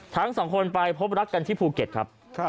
ทั้งสองคนไปพบรักกันที่ภูเก็ตครับ